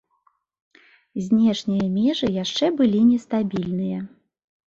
Знешнія межы яшчэ былі нестабільныя.